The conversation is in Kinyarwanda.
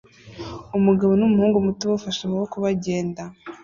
Umugabo n'umuhungu muto bafashe amaboko bagenda